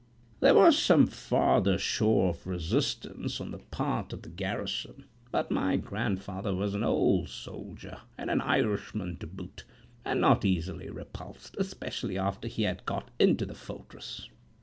There was some farther show of resistance on the part of the garrison, but my grandfather was an old soldier, and an Irishman to boot, and not easily repulsed, especially after he had got into the fortress.